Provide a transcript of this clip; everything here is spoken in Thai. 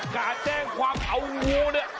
การแจ้งความเอางูเนี่ย